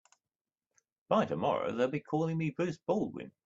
By tomorrow they'll be calling me Bruce Baldwin.